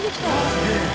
すげえ！